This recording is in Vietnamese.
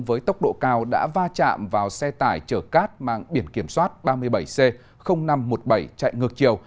với tốc độ cao đã va chạm vào xe tải chở cát mang biển kiểm soát ba mươi bảy c năm trăm một mươi bảy chạy ngược chiều